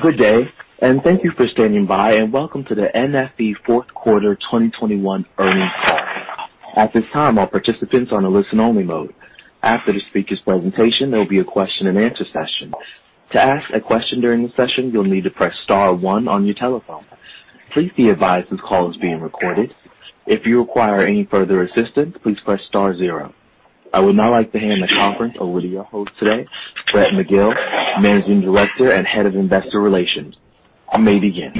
Good day, and thank you for standing by, and welcome to the NFE Fourth Quarter 2021 earnings call. At this time, all participants are on a listen-only mode. After the speaker's presentation, there will be a question-and-answer session. To ask a question during the session, you'll need to press star one on your telephone. Please be advised this call is being recorded. If you require any further assistance, please press star zero. I would now like to hand the conference over to your host today, Brett Magill, Managing Director and Head of Investor Relations. You may begin.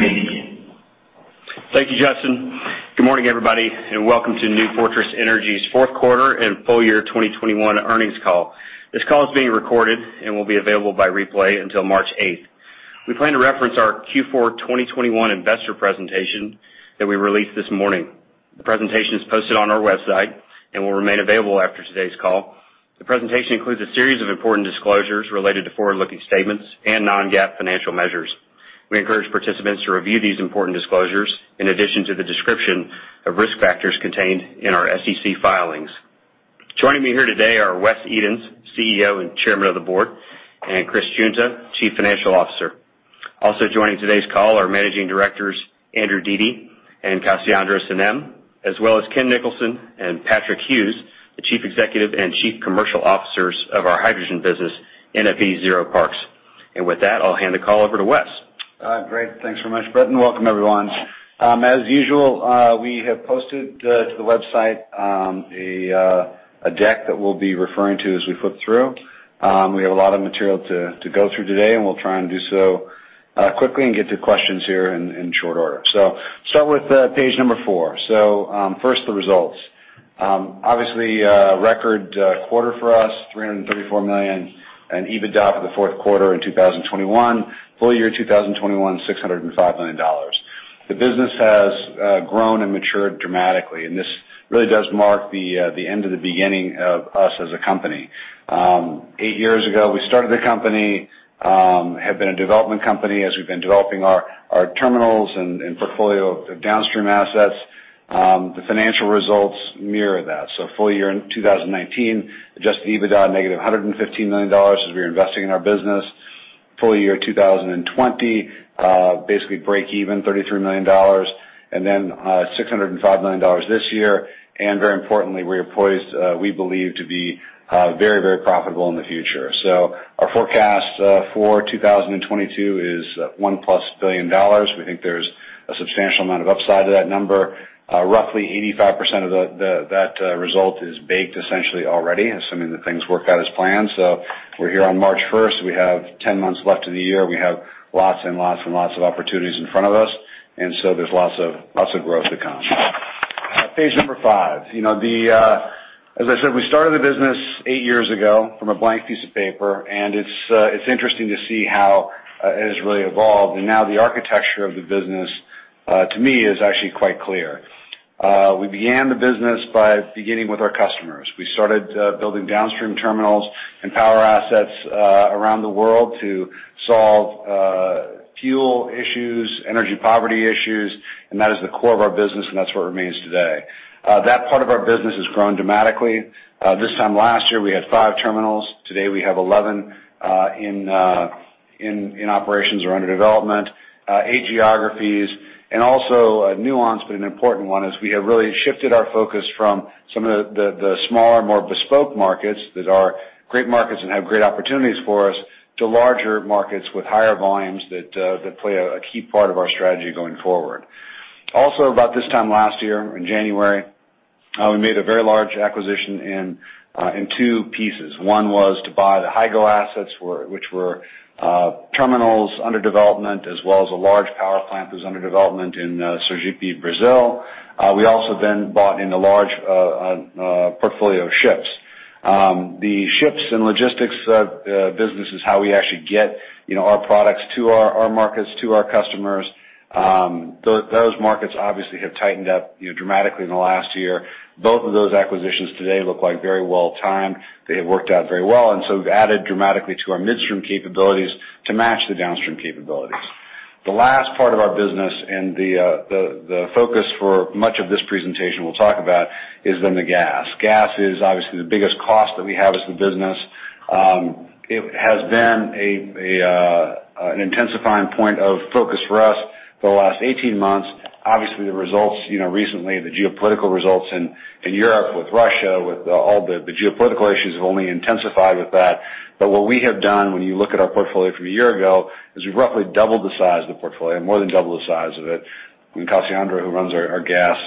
Thank you, Justin. Good morning, everybody, and welcome to New Fortress Energy's Fourth Quarter and full year 2021 earnings call. This call is being recorded and will be available by replay until March 8th. We plan to reference our Q4 2021 investor presentation that we released this morning. The presentation is posted on our website and will remain available after today's call. The presentation includes a series of important disclosures related to forward-looking statements and non-GAAP financial measures. We encourage participants to review these important disclosures in addition to the description of risk factors contained in our SEC filings. Joining me here today are Wes Edens, CEO and Chairman of the Board, and Chris Giunta, Chief Financial Officer. Also joining today's call are Managing Directors Andrew Dete and Cassandra Sanem, as well as Ken Nicholson and Patrick Hughes, the Chief Executive and Chief Commercial Officers of our hydrogen business, ZeroParks. And with that, I'll hand the call over to Wes. Great. Thanks very much, Brett. Welcome, everyone. As usual, we have posted to the website a deck that we'll be referring to as we flip through. We have a lot of material to go through today, and we'll try and do so quickly and get to questions here in short order. So start with page number four. So first, the results. Obviously, record quarter for us, $334 million, and EBITDA for the fourth quarter in 2021, full year 2021, $605 million. The business has grown and matured dramatically, and this really does mark the end of the beginning of us as a company. Eight years ago, we started the company, have been a development company as we've been developing our terminals and portfolio of downstream assets. The financial results mirror that. So full year in 2019, adjusted EBITDA negative $115 million as we were investing in our business. Full year 2020, basically break-even, $33 million, and then $605 million this year, and very importantly, we are poised, we believe, to be very, very profitable in the future, so our forecast for 2022 is $1+ billion. We think there's a substantial amount of upside to that number. Roughly 85% of that result is baked essentially already, assuming that things work out as planned, so we're here on March 1st. We have 10 months left of the year. We have lots and lots and lots of opportunities in front of us, and so there's lots of growth to come. Page number five. As I said, we started the business eight years ago from a blank piece of paper, and it's interesting to see how it has really evolved, and now the architecture of the business, to me, is actually quite clear. We began the business by beginning with our customers. We started building downstream terminals and power assets around the world to solve fuel issues, energy poverty issues, and that is the core of our business, and that's what remains today. That part of our business has grown dramatically. This time last year, we had five terminals. Today, we have 11 in operations or under development, eight geographies, and also a nuanced, but an important one is we have really shifted our focus from some of the smaller, more bespoke markets that are great markets and have great opportunities for us to larger markets with higher volumes that play a key part of our strategy going forward. Also, about this time last year, in January, we made a very large acquisition in two pieces. One was to buy the Hygo assets, which were terminals under development, as well as a large power plant that was under development in Sergipe, Brazil. We also then bought in a large portfolio of ships. The ships and logistics business is how we actually get our products to our markets, to our customers. Those markets obviously have tightened up dramatically in the last year. Both of those acquisitions today look like very well-timed. They have worked out very well, and so we've added dramatically to our midstream capabilities to match the downstream capabilities. The last part of our business and the focus for much of this presentation we'll talk about is then the gas. Gas is obviously the biggest cost that we have as the business. It has been an intensifying point of focus for us for the last 18 months. Obviously, the results recently, the geopolitical results in Europe with Russia, with all the geopolitical issues, have only intensified with that. But what we have done, when you look at our portfolio from a year ago, is we've roughly doubled the size of the portfolio, more than doubled the size of it. And Cassandra, who runs our gas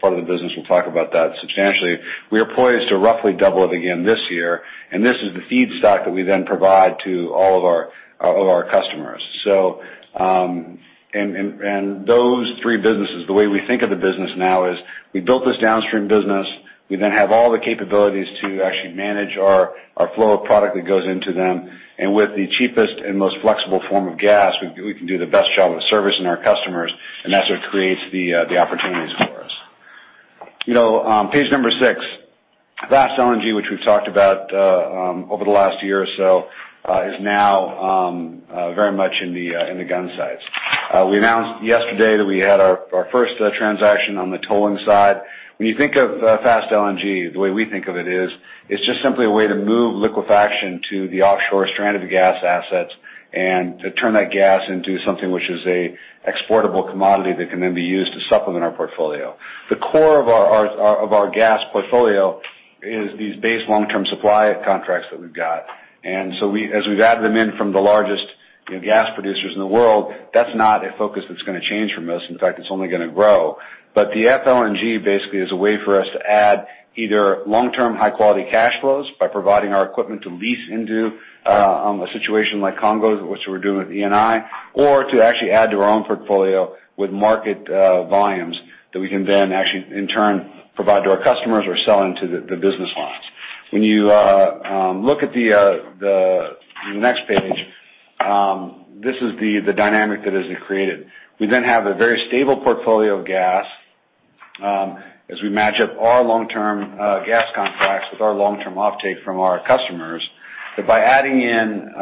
part of the business, will talk about that substantially. We are poised to roughly double it again this year. And this is the feedstock that we then provide to all of our customers. And those three businesses, the way we think of the business now is we built this downstream business. We then have all the capabilities to actually manage our flow of product that goes into them. And with the cheapest and most flexible form of gas, we can do the best job of servicing our customers. And that's what creates the opportunities for us. Page number six, Fast LNG, which we've talked about over the last year or so, is now very much in the gun sights. We announced yesterday that we had our first transaction on the tolling side. When you think of Fast LNG, the way we think of it is it's just simply a way to move liquefaction to the offshore strand of the gas assets and to turn that gas into something which is an exportable commodity that can then be used to supplement our portfolio. The core of our gas portfolio is these baseload long-term supply contracts that we've got. And so as we've added them in from the largest gas producers in the world, that's not a focus that's going to change from us. In fact, it's only going to grow. But the FLNG basically is a way for us to add either long-term high-quality cash flows by providing our equipment to lease into a situation like Congo, which we're doing with Eni, or to actually add to our own portfolio with market volumes that we can then actually, in turn, provide to our customers or sell into the business lines. When you look at the next page, this is the dynamic that has been created. We then have a very stable portfolio of gas as we match up our long-term gas contracts with our long-term offtake from our customers. But by adding in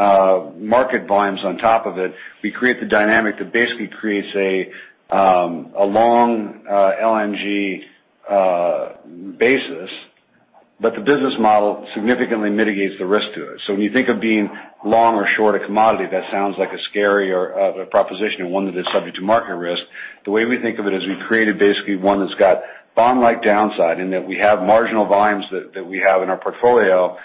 market volumes on top of it, we create the dynamic that basically creates a long LNG basis, but the business model significantly mitigates the risk to it. So when you think of being long or short a commodity, that sounds like a scary proposition and one that is subject to market risk. The way we think of it is we've created basically one that's got bond-like downside in that we have marginal volumes that we have in our portfolio.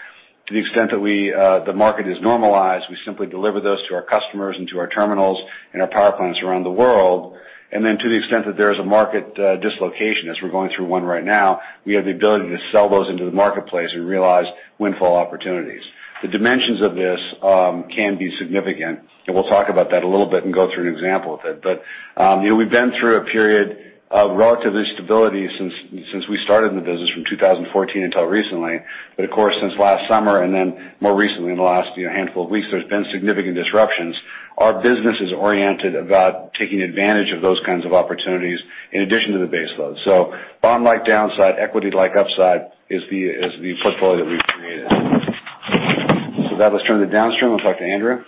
To the extent that the market has normalized, we simply deliver those to our customers and to our terminals and our power plants around the world. And then to the extent that there is a market dislocation, as we're going through one right now, we have the ability to sell those into the marketplace and realize windfall opportunities. The dimensions of this can be significant. And we'll talk about that a little bit and go through an example of it. But we've been through a period of relative instability since we started in the business from 2014 until recently. But of course, since last summer and then more recently in the last handful of weeks, there's been significant disruptions. Our business is oriented about taking advantage of those kinds of opportunities in addition to the baseload. So bond-like downside, equity-like upside is the portfolio that we've created. So that in terms of downstream. I'll talk to Andrew.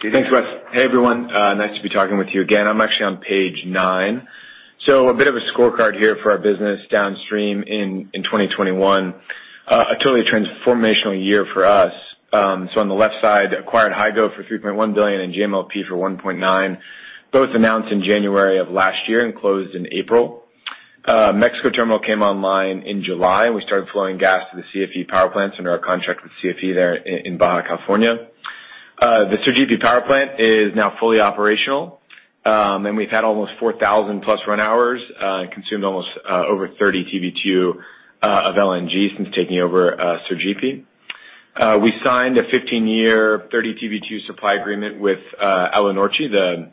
Thanks, Wes. Hey, everyone. Nice to be talking with you again. I'm actually on page nine. A bit of a scorecard here for our business downstream in 2021, a totally transformational year for us. On the left side, acquired Hygo for $3.1 billion and GMLP for $1.9 billion. Both announced in January of last year and closed in April. Mexico terminal came online in July, and we started flowing gas to the CFE power plants under our contract with CFE there in Baja California. The Sergipe power plant is now fully operational, and we've had almost 4,000-plus run hours and consumed almost over 30 TBtu of LNG since taking over Sergipe. We signed a 15-year, 30 TBtu supply agreement with Alunorte, the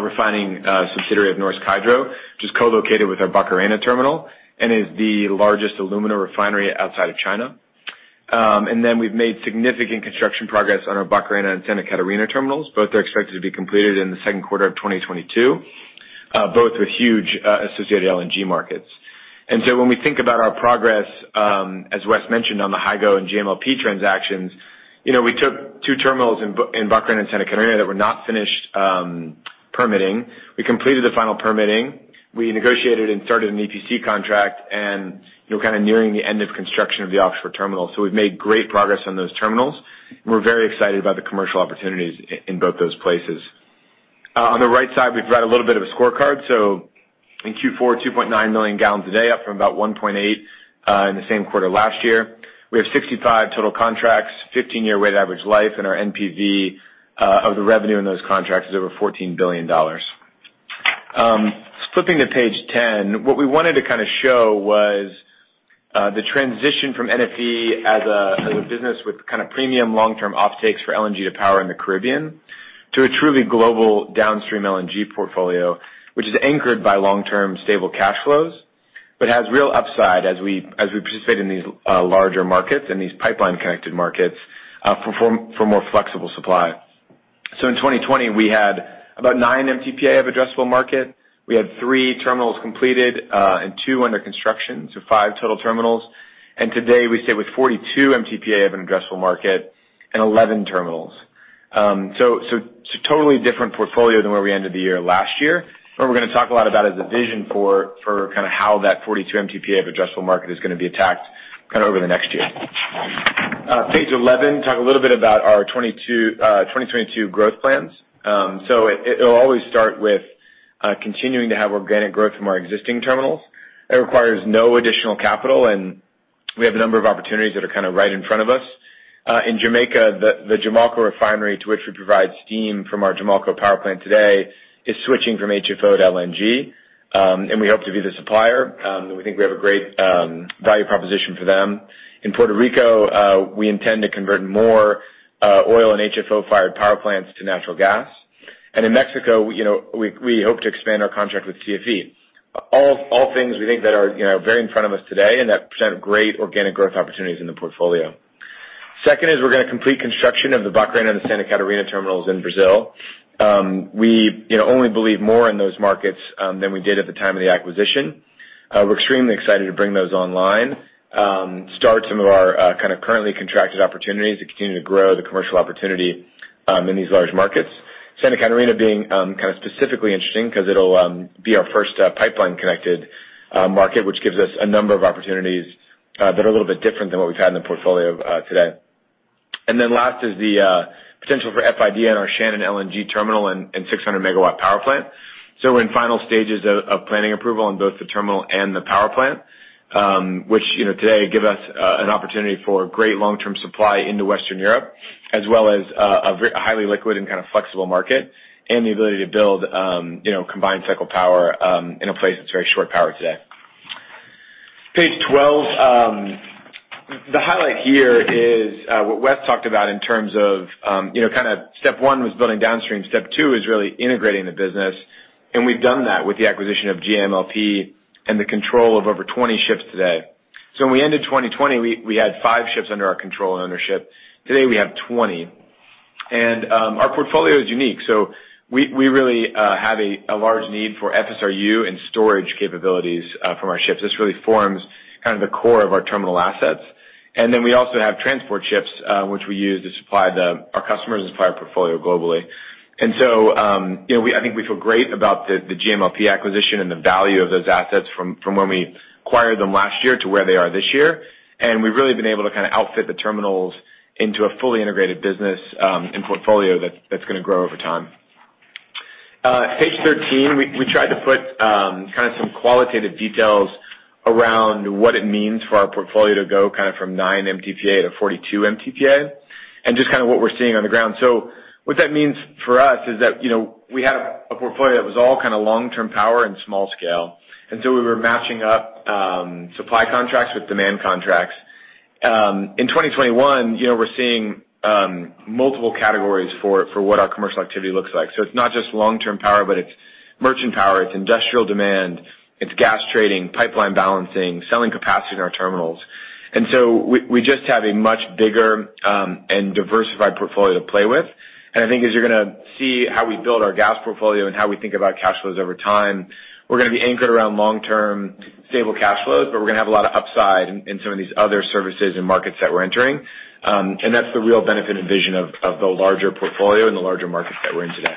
refining subsidiary of Norsk Hydro, which is co-located with our Barcarena terminal and is the largest aluminum refinery outside of China. And then we've made significant construction progress on our Barcarena and Santa Catarina terminals. Both are expected to be completed in the second quarter of 2022, both with huge associated LNG markets. And so when we think about our progress, as Wes mentioned on the Hygo and GMLP transactions, we took two terminals in Barcarena and Santa Catarina that were not finished permitting. We completed the final permitting. We negotiated and started an EPC contract and kind of nearing the end of construction of the offshore terminal. So we've made great progress on those terminals, and we're very excited about the commercial opportunities in both those places. On the right side, we've read a little bit of a scorecard. So in Q4, 2.9 million gallons a day, up from about 1.8 in the same quarter last year. We have 65 total contracts, 15-year weighted average life, and our NPV of the revenue in those contracts is over $14 billion. Flipping to page 10, what we wanted to kind of show was the transition from NFE as a business with kind of premium long-term offtakes for LNG to power in the Caribbean to a truly global downstream LNG portfolio, which is anchored by long-term stable cash flows, but has real upside as we participate in these larger markets and these pipeline-connected markets for more flexible supply. So in 2020, we had about nine MTPA of addressable market. We had three terminals completed and two under construction, so five total terminals. And today, we sit with 42 MTPA of an addressable market and 11 terminals. So totally different portfolio than where we ended the year last year. What we're going to talk a lot about is the vision for kind of how that 42 MTPA of addressable market is going to be attacked kind of over the next year. Page 11. Talk a little bit about our 2022 growth plans. So it'll always start with continuing to have organic growth from our existing terminals. It requires no additional capital, and we have a number of opportunities that are kind of right in front of us. In Jamaica, the Jamaica refinery to which we provide steam from our Jamaica power plant today is switching from HFO to LNG, and we hope to be the supplier. We think we have a great value proposition for them. In Puerto Rico, we intend to convert more oil and HFO-fired power plants to natural gas. And in Mexico, we hope to expand our contract with CFE. All things we think that are very in front of us today and that present great organic growth opportunities in the portfolio. Second is we're going to complete construction of the Barcarena and the Santa Catarina terminals in Brazil. We only believe more in those markets than we did at the time of the acquisition. We're extremely excited to bring those online, start some of our kind of currently contracted opportunities that continue to grow the commercial opportunity in these large markets. Santa Catarina being kind of specifically interesting because it'll be our first pipeline-connected market, which gives us a number of opportunities that are a little bit different than what we've had in the portfolio today. And then last is the potential for FID, our Shannon LNG terminal and 600 MW power plant. So we're in final stages of planning approval on both the terminal and the power plant, which today give us an opportunity for great long-term supply into Western Europe, as well as a highly liquid and kind of flexible market and the ability to build combined cycle power in a place that's very short power today. Page 12, the highlight here is what Wes talked about in terms of kind of step one was building downstream. Step two is really integrating the business. And we've done that with the acquisition of GMLP and the control of over 20 ships today. So when we ended 2020, we had five ships under our control and ownership. Today, we have 20. And our portfolio is unique. So we really have a large need for FSRU and storage capabilities from our ships. This really forms kind of the core of our terminal assets. And then we also have transport ships, which we use to supply our customers and supply our portfolio globally. And so I think we feel great about the GMLP acquisition and the value of those assets from when we acquired them last year to where they are this year. And we've really been able to kind of outfit the terminals into a fully integrated business and portfolio that's going to grow over time. Page 13, we tried to put kind of some qualitative details around what it means for our portfolio to go kind of from 9 MTPA to 42 MTPA and just kind of what we're seeing on the ground. So what that means for us is that we had a portfolio that was all kind of long-term power and small scale. And so we were matching up supply contracts with demand contracts. In 2021, we're seeing multiple categories for what our commercial activity looks like. So it's not just long-term power, but it's merchant power. It's industrial demand. It's gas trading, pipeline balancing, selling capacity in our terminals. And so we just have a much bigger and diversified portfolio to play with. And I think as you're going to see how we build our gas portfolio and how we think about cash flows over time, we're going to be anchored around long-term stable cash flows, but we're going to have a lot of upside in some of these other services and markets that we're entering. And that's the real benefit and vision of the larger portfolio and the larger markets that we're in today.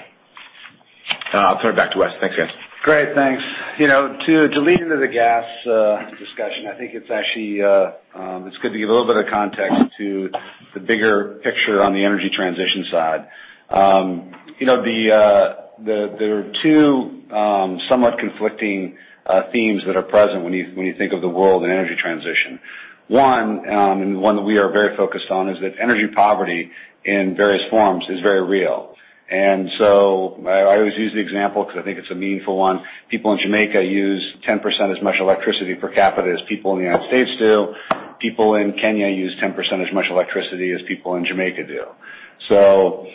I'll turn it back to Wes. Thanks, guys. Great. Thanks. To delve into the gas discussion, I think it's actually good to give a little bit of context to the bigger picture on the energy transition side. There are two somewhat conflicting themes that are present when you think of the world and energy transition. One, and one that we are very focused on, is that energy poverty in various forms is very real. And so I always use the example because I think it's a meaningful one. People in Jamaica use 10% as much electricity per capita as people in the United States do. People in Kenya use 10% as much electricity as people in Jamaica do. So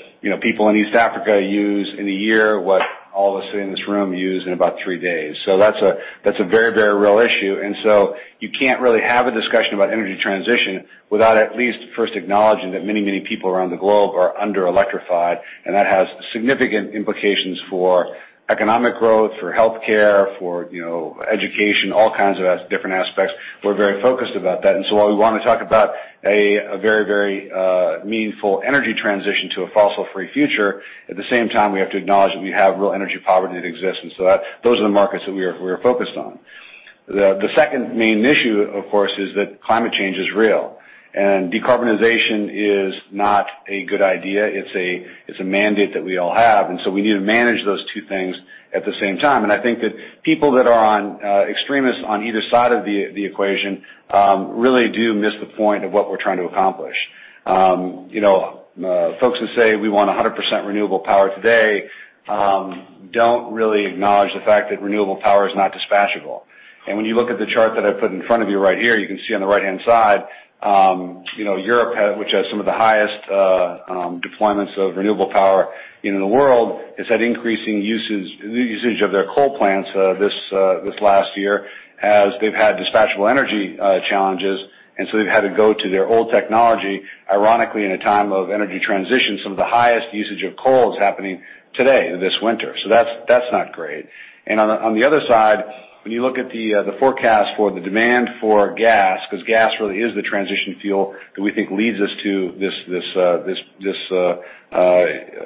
people in East Africa use in a year what all of us sitting in this room use in about three days. So that's a very, very real issue. You can't really have a discussion about energy transition without at least first acknowledging that many, many people around the globe are under-electrified. That has significant implications for economic growth, for healthcare, for education, all kinds of different aspects. We're very focused about that. While we want to talk about a very, very meaningful energy transition to a fossil-free future, at the same time, we have to acknowledge that we have real energy poverty that exists. Those are the markets that we are focused on. The second main issue, of course, is that climate change is real. Decarbonization is not a good idea. It's a mandate that we all have. We need to manage those two things at the same time. And I think that people that are extremists on either side of the equation really do miss the point of what we're trying to accomplish. Folks who say, "We want 100% renewable power today," don't really acknowledge the fact that renewable power is not dispatchable. And when you look at the chart that I put in front of you right here, you can see on the right-hand side, Europe, which has some of the highest deployments of renewable power in the world, has had increasing usage of their coal plants this last year as they've had dispatchable energy challenges. And so they've had to go to their old technology. Ironically, in a time of energy transition, some of the highest usage of coal is happening today, this winter. So that's not great. On the other side, when you look at the forecast for the demand for gas, because gas really is the transition fuel that we think leads us to this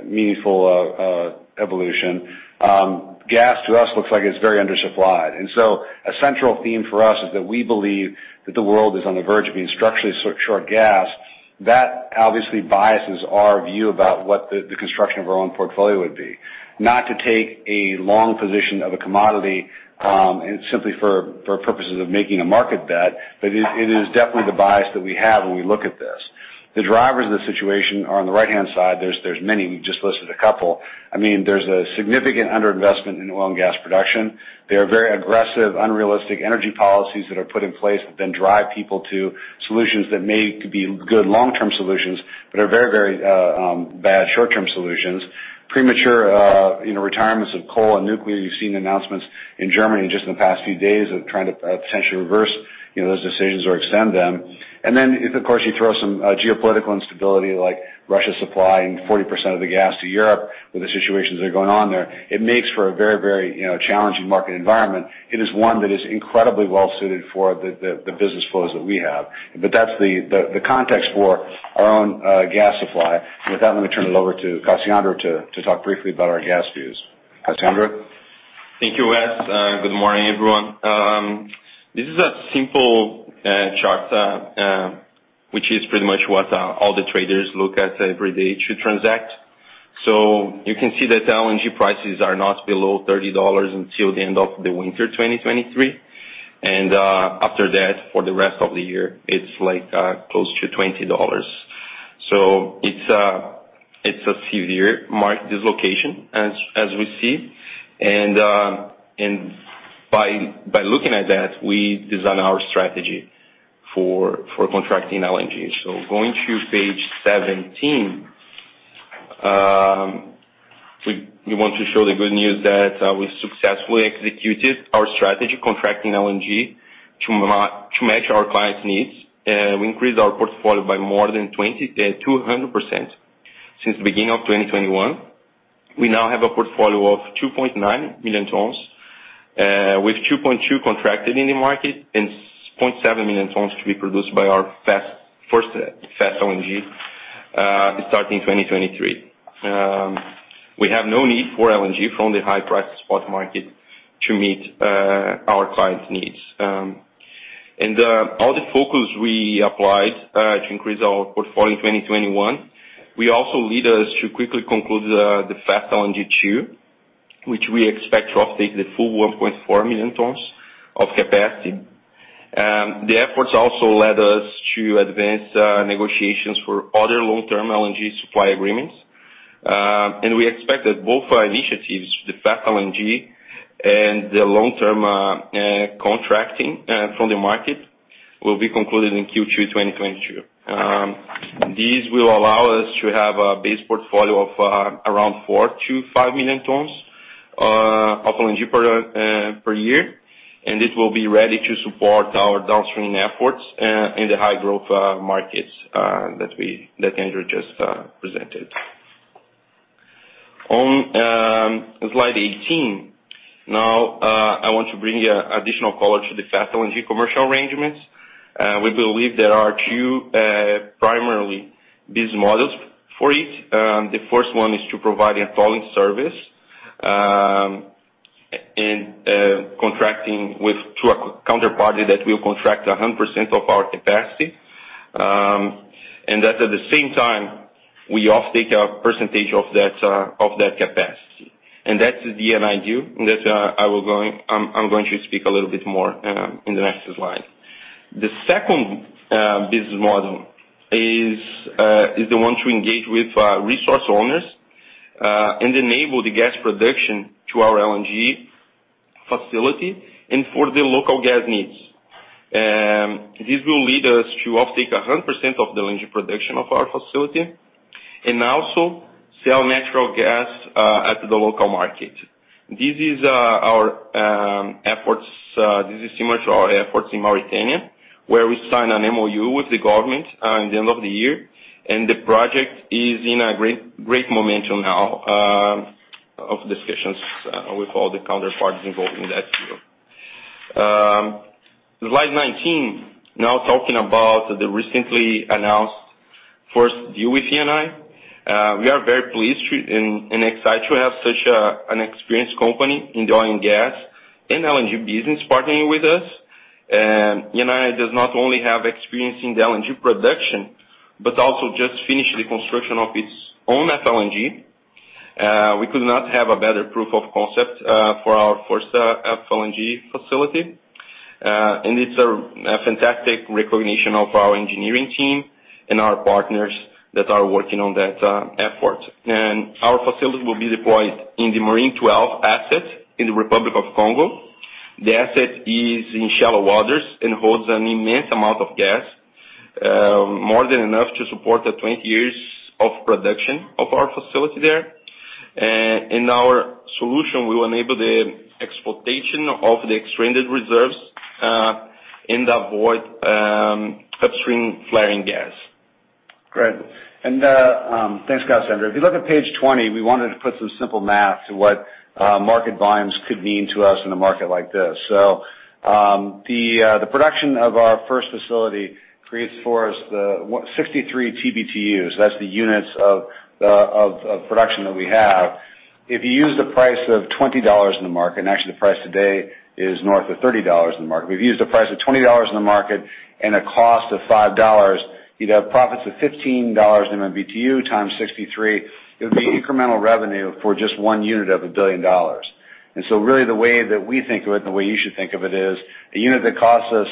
meaningful evolution, gas to us looks like it's very undersupplied. So a central theme for us is that we believe that the world is on the verge of being structurally short gas. That obviously biases our view about what the construction of our own portfolio would be. Not to take a long position of a commodity simply for purposes of making a market bet, but it is definitely the bias that we have when we look at this. The drivers of the situation are on the right-hand side. There's many. We've just listed a couple. I mean, there's a significant underinvestment in oil and gas production. There are very aggressive, unrealistic energy policies that are put in place that then drive people to solutions that may be good long-term solutions, but are very, very bad short-term solutions. Premature retirements of coal and nuclear. You've seen announcements in Germany just in the past few days of trying to potentially reverse those decisions or extend them, and then if, of course, you throw some geopolitical instability like Russia supplying 40% of the gas to Europe with the situations that are going on there, it makes for a very, very challenging market environment. It is one that is incredibly well-suited for the business flows that we have, but that's the context for our own gas supply, and with that, let me turn it over to Cassandra to talk briefly about our gas views. Cassandra. Thank you, Wes. Good morning, everyone. This is a simple chart, which is pretty much what all the traders look at every day to transact. You can see that LNG prices are not below $30 until the end of the winter 2023. After that, for the rest of the year, it's like close to $20. It's a severe market dislocation, as we see. By looking at that, we design our strategy for contracting LNG. Going to page 17, we want to show the good news that we successfully executed our strategy contracting LNG to match our clients' needs. We increased our portfolio by more than 200% since the beginning of 2021. We now have a portfolio of 2.9 million tons, with 2.2 contracted in the market and 0.7 million tons to be produced by our first Fast LNG starting 2023. We have no need for LNG from the high-priced spot market to meet our clients' needs. And all the focus we applied to increase our portfolio in 2021, we also led us to quickly conclude the Fast LNG 2, which we expect to offtake the full 1.4 million tons of capacity. The efforts also led us to advance negotiations for other long-term LNG supply agreements. And we expect that both initiatives, the Fast LNG and the long-term contracting from the market, will be concluded in Q2 2022. These will allow us to have a base portfolio of around 4 to 5 million tons of LNG per year. And it will be ready to support our downstream efforts in the high-growth markets that Andrew just presented. On slide 18, now I want to bring you additional color to the Fast LNG commercial arrangements. We believe there are two primary business models for it. The first one is to provide a tolling service and contracting with a counterparty that will contract 100% of our capacity, and that at the same time, we offtake a percentage of that capacity, and that's the [NIDU] that I'm going to speak a little bit more in the next slide. The second business model is the one to engage with resource owners and enable the gas production to our LNG facility and for the local gas needs. This will lead us to offtake 100% of the LNG production of our facility and also sell natural gas at the local market. This is our efforts. This is similar to our efforts in Mauritania, where we signed an MOU with the government at the end of the year. And the project is in a great momentum now of discussions with all the counterparties involved in that field. Slide 19, now talking about the recently announced first deal with Eni. We are very pleased and excited to have such an experienced company in the oil and gas and LNG business partnering with us. Eni does not only have experience in the LNG production, but also just finished the construction of its own FLNG. We could not have a better proof of concept for our first FLNG facility. And it's a fantastic recognition of our engineering team and our partners that are working on that effort. And our facility will be deployed in the Marine XII asset in the Republic of the Congo. The asset is in shallow waters and holds an immense amount of gas, more than enough to support the 20 years of production of our facility there. Our solution will enable the exploitation of the extended reserves and avoid upstream flaring gas. Great. And thanks, Cassandra. If you look at page 20, we wanted to put some simple math to what market volumes could mean to us in a market like this. So the production of our first facility creates for us the 63 TBtu. That's the units of production that we have. If you use the price of $20 in the market, and actually the price today is north of $30 in the market, we've used a price of $20 in the market and a cost of $5, you'd have profits of $15 MMBtu times 63. It would be incremental revenue for just one unit of a billion dollars. And so really the way that we think of it, and the way you should think of it, is a unit that costs us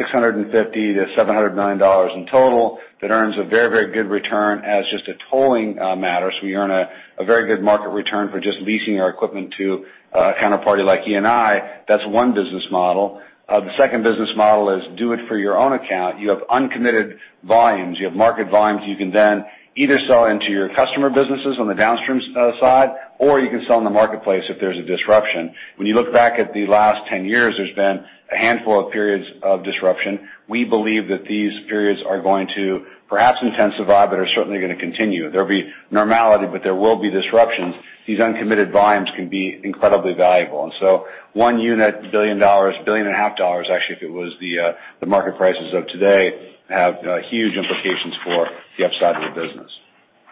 $650 million-$700 million in total that earns a very, very good return as just a tolling matter. So we earn a very good market return for just leasing our equipment to a counterparty like Eni. That's one business model. The second business model is do it for your own account. You have uncommitted volumes. You have market volumes you can then either sell into your customer businesses on the downstream side, or you can sell in the marketplace if there's a disruption. When you look back at the last 10 years, there's been a handful of periods of disruption. We believe that these periods are going to perhaps intensify, but are certainly going to continue. There'll be normality, but there will be disruptions. These uncommitted volumes can be incredibly valuable. And so one unit, $1 billion, $1.5 billion, actually, if it was the market prices of today, have huge implications for the upside of the business.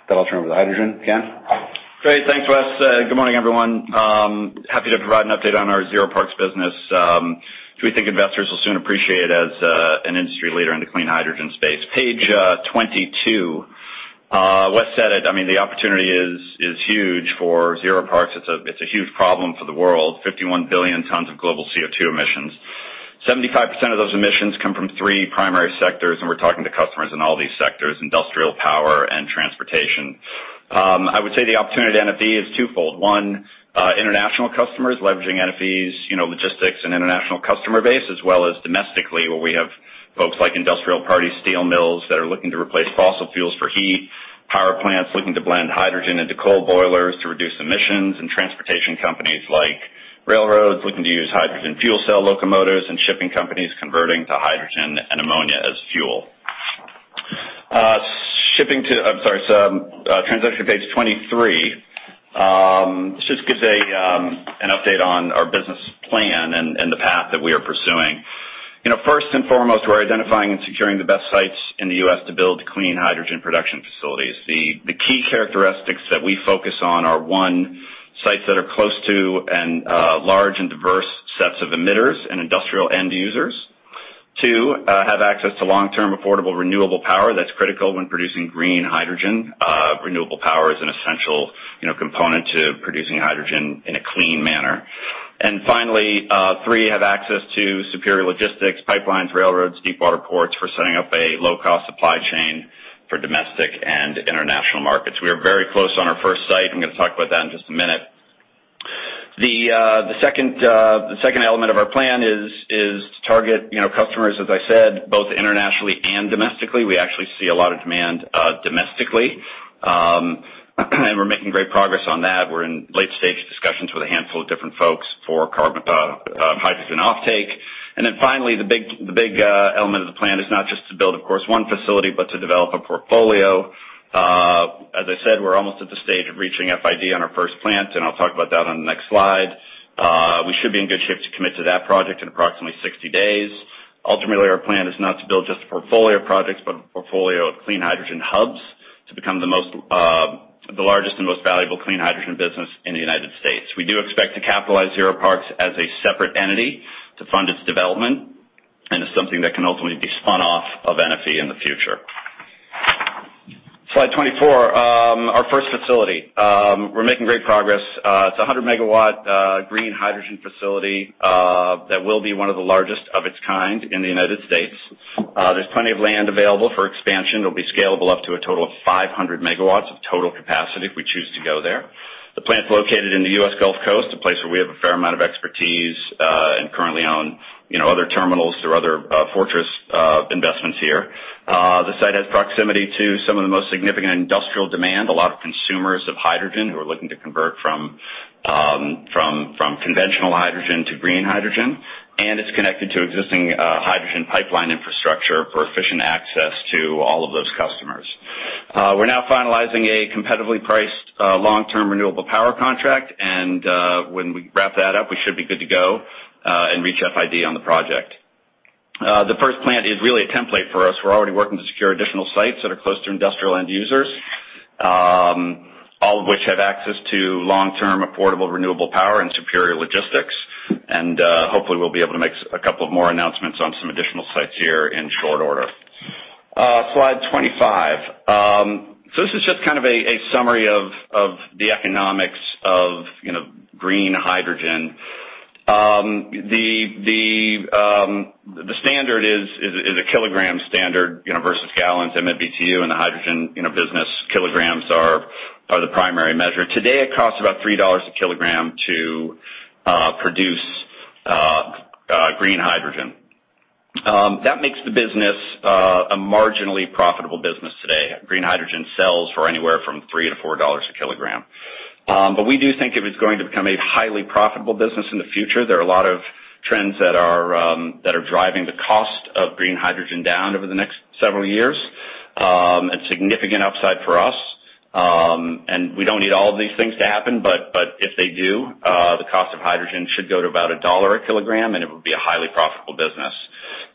That'll turn over to Hydrogen. Ken? Great. Thanks, Wes. Good morning, everyone. Happy to provide an update on our ZeroParks business. We think investors will soon appreciate it as an industry leader in the clean hydrogen space. Page 22, Wes said it. I mean, the opportunity is huge for ZeroParks. It's a huge problem for the world, 51 billion tons of global CO2 emissions. 75% of those emissions come from three primary sectors, and we're talking to customers in all these sectors, industrial power and transportation. I would say the opportunity to NFE is twofold. One, international customers leveraging NFE's logistics and international customer base, as well as domestically, where we have folks like industrial heavy steel mills that are looking to replace fossil fuels for heat, power plants looking to blend hydrogen into coal boilers to reduce emissions, and transportation companies like railroads looking to use hydrogen fuel cell locomotives and shipping companies converting to hydrogen and ammonia as fuel. I'm sorry, turn to page 23. This just gives an update on our business plan and the path that we are pursuing. First and foremost, we're identifying and securing the best sites in the U.S. to build clean hydrogen production facilities. The key characteristics that we focus on are, one, sites that are close to and large and diverse sets of emitters and industrial end users. Two, have access to long-term affordable renewable power that's critical when producing green hydrogen. Renewable power is an essential component to producing hydrogen in a clean manner. And finally, three, have access to superior logistics, pipelines, railroads, deep water ports for setting up a low-cost supply chain for domestic and international markets. We are very close on our first site. I'm going to talk about that in just a minute. The second element of our plan is to target customers, as I said, both internationally and domestically. We actually see a lot of demand domestically. And we're making great progress on that. We're in late-stage discussions with a handful of different folks for hydrogen offtake. And then finally, the big element of the plan is not just to build, of course, one facility, but to develop a portfolio. As I said, we're almost at the stage of reaching FID on our first plant. And I'll talk about that on the next slide. We should be in good shape to commit to that project in approximately 60 days. Ultimately, our plan is not to build just a portfolio of projects, but a portfolio of clean hydrogen hubs to become the largest and most valuable clean hydrogen business in the United States. We do expect to capitalize ZeroParks as a separate entity to fund its development and is something that can ultimately be spun off of NFE in the future. Slide 24, our first facility. We're making great progress. It's a 100 MW green hydrogen facility that will be one of the largest of its kind in the United States. There's plenty of land available for expansion. It'll be scalable up to a total of 500 MW of total capacity if we choose to go there. The plant's located in the U.S. Gulf Coast, a place where we have a fair amount of expertise and currently own other terminals through other Fortress investments here. The site has proximity to some of the most significant industrial demand, a lot of consumers of hydrogen who are looking to convert from conventional hydrogen to green hydrogen, and it's connected to existing hydrogen pipeline infrastructure for efficient access to all of those customers. We're now finalizing a competitively priced long-term renewable power contract, and when we wrap that up, we should be good to go and reach FID on the project. The first plant is really a template for us. We're already working to secure additional sites that are close to industrial end users, all of which have access to long-term affordable renewable power and superior logistics. And hopefully, we'll be able to make a couple of more announcements on some additional sites here in short order. Slide 25. So this is just kind of a summary of the economics of green hydrogen. The standard is a kilogram standard versus gallons MMBtu. In the hydrogen business, kilograms are the primary measure. Today, it costs about $3 per Kg to produce green hydrogen. That makes the business a marginally profitable business today. Green hydrogen sells for anywhere from $3-$4 per Kg. But we do think it is going to become a highly profitable business in the future. There are a lot of trends that are driving the cost of green hydrogen down over the next several years. It's significant upside for us. And we don't need all of these things to happen. But if they do, the cost of hydrogen should go to about $1 per Kg, and it would be a highly profitable business.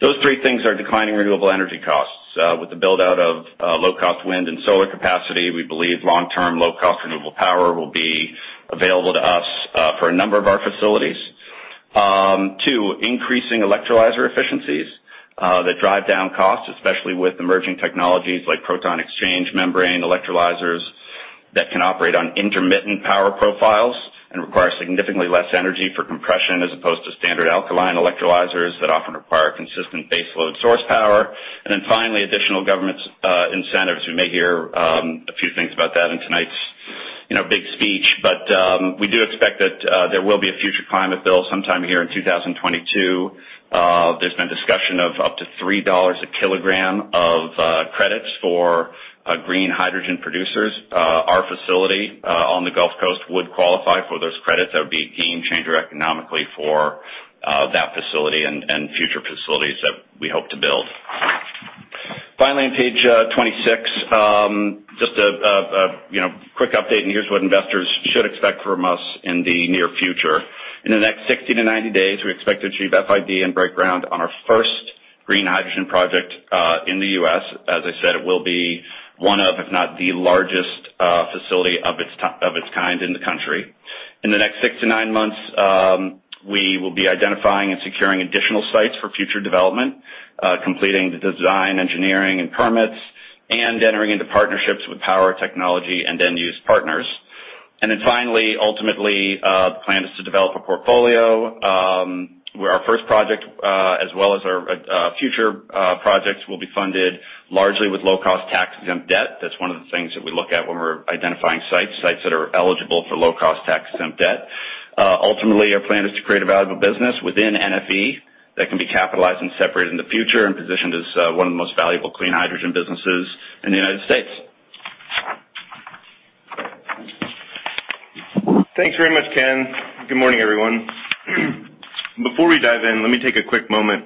Those three things are declining renewable energy costs. With the build-out of low-cost wind and solar capacity, we believe long-term low-cost renewable power will be available to us for a number of our facilities. Two, increasing electrolyzer efficiencies that drive down costs, especially with emerging technologies like proton exchange membrane electrolyzers that can operate on intermittent power profiles and require significantly less energy for compression as opposed to standard alkaline electrolyzers that often require consistent baseload source power. And then finally, additional government incentives. We may hear a few things about that in tonight's big speech. But we do expect that there will be a future climate bill sometime here in 2022. There's been discussion of up to $3 per Kg of credits for green hydrogen producers. Our facility on the Gulf Coast would qualify for those credits. That would be a game changer economically for that facility and future facilities that we hope to build. Finally, on page 26, just a quick update. Here's what investors should expect from us in the near future. In the next 60 to 90 days, we expect to achieve FID and break ground on our first green hydrogen project in the U.S. As I said, it will be one of, if not the largest facility of its kind in the country. In the next six to nine months, we will be identifying and securing additional sites for future development, completing the design, engineering, and permits, and entering into partnerships with power technology and end-use partners. And then finally, ultimately, the plan is to develop a portfolio where our first project, as well as our future projects, will be funded largely with low-cost tax-exempt debt. That's one of the things that we look at when we're identifying sites, sites that are eligible for low-cost tax-exempt debt. Ultimately, our plan is to create a valuable business within NFE that can be capitalized and separated in the future and positioned as one of the most valuable clean hydrogen businesses in the United States. Thanks very much, Ken. Good morning, everyone. Before we dive in, let me take a quick moment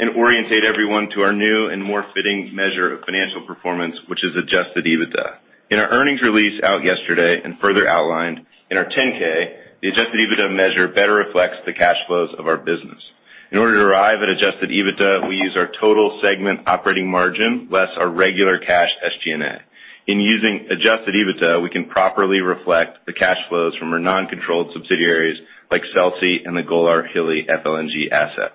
and orientate everyone to our new and more fitting measure of financial performance, which is adjusted EBITDA. In our earnings release out yesterday and further outlined in our 10-K, the adjusted EBITDA measure better reflects the cash flows of our business. In order to arrive at adjusted EBITDA, we use our total segment operating margin less our regular cash SG&A. In using adjusted EBITDA, we can properly reflect the cash flows from our non-controlled subsidiaries like Celse and the Golar-Hilli FLNG asset.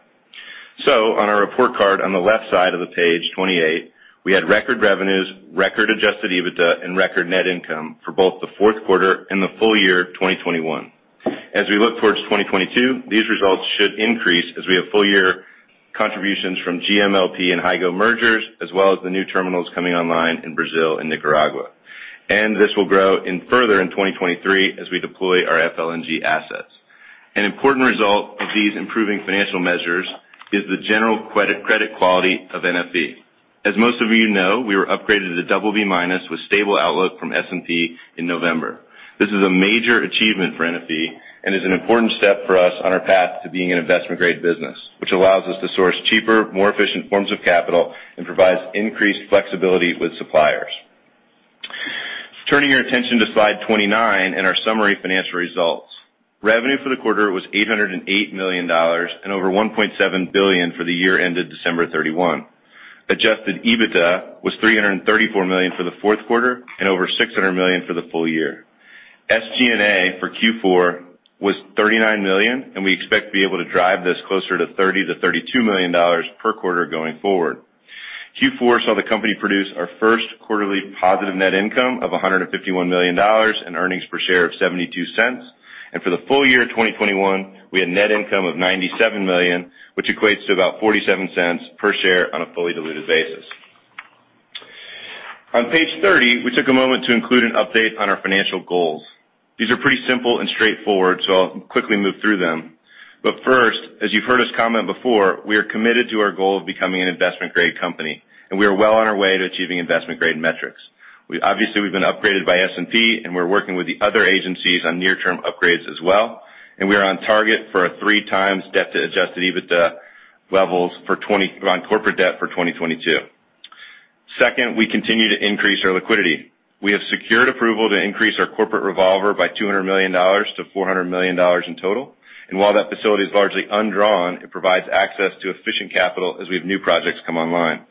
So on our report card on the left side of the page 28, we had record revenues, record adjusted EBITDA, and record net income for both the fourth quarter and the full year 2021. As we look towards 2022, these results should increase as we have full-year contributions from GMLP and Hygo mergers, as well as the new terminals coming online in Brazil and Nicaragua. This will grow further in 2023 as we deploy our FLNG assets. An important result of these improving financial measures is the general credit quality of NFE. As most of you know, we were upgraded to BB- with stable outlook from S&P in November. This is a major achievement for NFE and is an important step for us on our path to being an investment-grade business, which allows us to source cheaper, more efficient forms of capital and provides increased flexibility with suppliers. Turning your attention to slide 29 and our summary financial results. Revenue for the quarter was $808 million and over $1.7 billion for the year ended December 31. Adjusted EBITDA was $334 million for the fourth quarter and over $600 million for the full year. SG&A for Q4 was $39 million, and we expect to be able to drive this closer to $30 million-$32 million per quarter going forward. Q4 saw the company produce our first quarterly positive net income of $151 million and earnings per share of $0.72, and for the full year 2021, we had net income of $97 million, which equates to about $0.47 per share on a fully diluted basis. On page 30, we took a moment to include an update on our financial goals. These are pretty simple and straightforward, so I'll quickly move through them, but first, as you've heard us comment before, we are committed to our goal of becoming an investment-grade company. And we are well on our way to achieving investment-grade metrics. Obviously, we've been upgraded by S&P, and we're working with the other agencies on near-term upgrades as well. We are on target for three times debt-to-adjusted EBITDA levels on corporate debt for 2022. Second, we continue to increase our liquidity. We have secured approval to increase our corporate revolver by $200 million-$400 million in total. While that facility is largely undrawn, it provides access to efficient capital as we have new projects come online.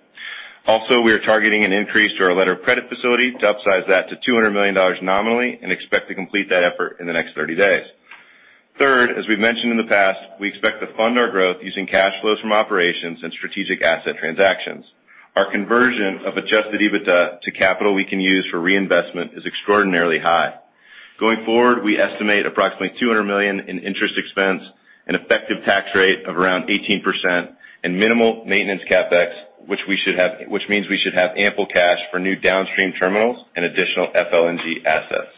Also, we are targeting an increase to our letter of credit facility to upsize that to $200 million nominally and expect to complete that effort in the next 30 days. Third, as we've mentioned in the past, we expect to fund our growth using cash flows from operations and strategic asset transactions. Our conversion of adjusted EBITDA to capital we can use for reinvestment is extraordinarily high. Going forward, we estimate approximately $200 million in interest expense, an effective tax rate of around 18%, and minimal maintenance CapEx, which means we should have ample cash for new downstream terminals and additional FLNG assets.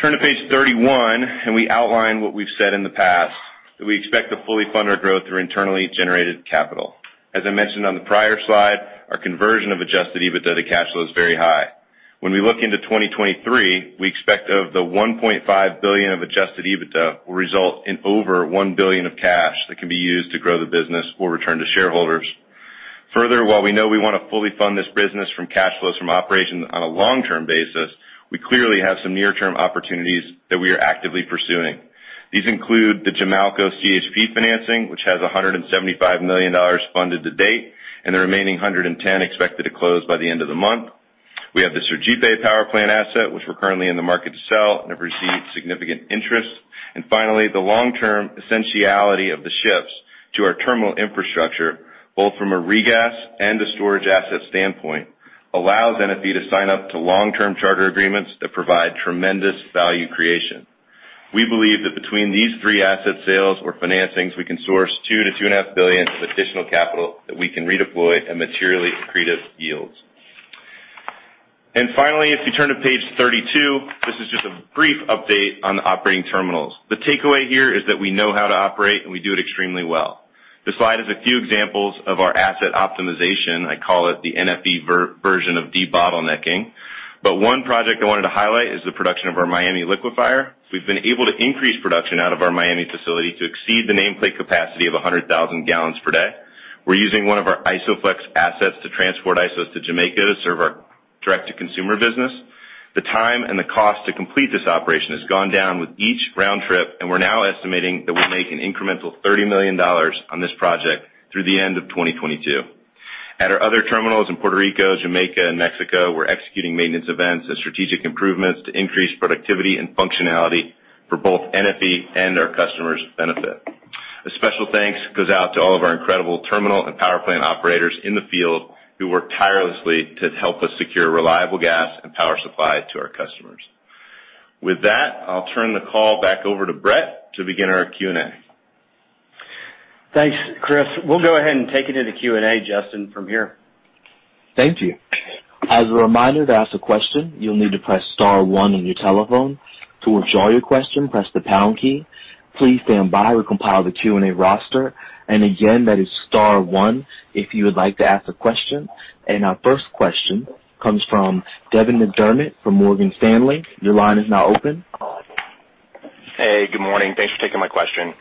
Turn to page 31, and we outline what we've said in the past that we expect to fully fund our growth through internally generated capital. As I mentioned on the prior slide, our conversion of adjusted EBITDA to cash flow is very high. When we look into 2023, we expect of the $1.5 billion of adjusted EBITDA will result in over $1 billion of cash that can be used to grow the business or return to shareholders. Further, while we know we want to fully fund this business from cash flows from operations on a long-term basis, we clearly have some near-term opportunities that we are actively pursuing. These include the Jamaica CHP financing, which has $175 million funded to date, and the remaining $110 expected to close by the end of the month. We have the Sergipe power plant asset, which we're currently in the market to sell and have received significant interest. And finally, the long-term essentiality of the shifts to our terminal infrastructure, both from a re-gas and a storage asset standpoint, allows NFE to sign up to long-term charter agreements that provide tremendous value creation. We believe that between these three asset sales or financings, we can source $2 billion-$2.5 billion of additional capital that we can redeploy at materially accretive yields. And finally, if you turn to page 32, this is just a brief update on the operating terminals. The takeaway here is that we know how to operate, and we do it extremely well. This slide has a few examples of our asset optimization. I call it the NFE version of debottlenecking. But one project I wanted to highlight is the production of our Miami Liquefier. We've been able to increase production out of our Miami facility to exceed the nameplate capacity of 100,000 gallons per day. We're using one of our ISO Flex assets to transport ISOs to Jamaica to serve our direct-to-consumer business. The time and the cost to complete this operation has gone down with each round trip, and we're now estimating that we'll make an incremental $30 million on this project through the end of 2022. At our other terminals in Puerto Rico, Jamaica, and Mexico, we're executing maintenance events and strategic improvements to increase productivity and functionality for both NFE and our customers' benefit. A special thanks goes out to all of our incredible terminal and power plant operators in the field who work tirelessly to help us secure reliable gas and power supply to our customers. With that, I'll turn the call back over to Brett to begin our Q&A. Thanks, Chris. We'll go ahead and take it into Q&A, Justin, from here. Thank you. As a reminder to ask a question, you'll need to press star one on your telephone. To withdraw your question, press the pound key. Please stand by. We'll compile the Q&A roster. And again, that is star one if you would like to ask a question. And our first question comes from Devin McDermott from Morgan Stanley. Your line is now open. Hey, good morning. Thanks for taking my question.